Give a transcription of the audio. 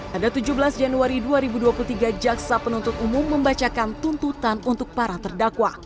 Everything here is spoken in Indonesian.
pada tujuh belas januari dua ribu dua puluh tiga jaksa penuntut umum membacakan tuntutan untuk para terdakwa